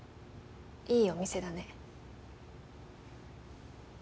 いいお店だね。